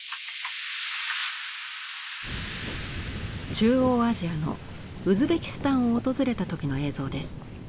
中央アジアのウズベキスタンを訪れた時の映像です。